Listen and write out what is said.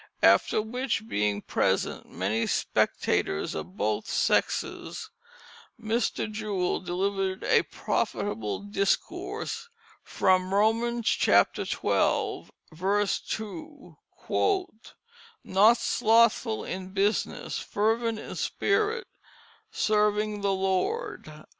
After which being present many spectators of both sexes, Mr. Jewell delivered a profitable discourse from Romans xii. 2: "Not slothful in business, fervent in spirit, serving the Lord."